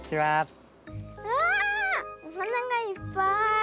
わあおはながいっぱい。